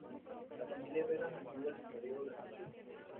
La familia Herrera mantuvo el señorío durante siglos.